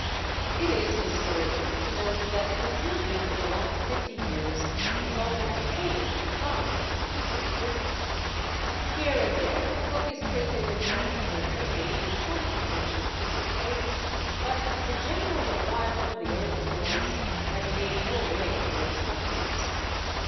It is discouraging to note that the improvement of the last fifty years is almost wholly confined to Great Britain. Here and there a book is printed in France or Germany with some pretension to good taste, but the general revival of the old forms has made no way in those countries.